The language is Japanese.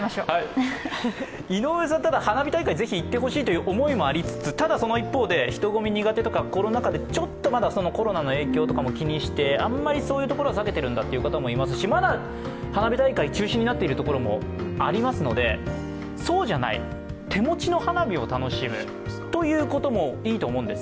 井上さん、花火大会ぜひ行ってほしいという思いもありつつただその一方で人混みが苦手とかコロナ禍でちょっとまだコロナの影響とかも気にして、そういうところはさけてるんだという方もいらっしゃいますしまだ花火大会中止になっているところもありますのでそうじゃない、手持ちの花火を楽しむということもいいと思うんです。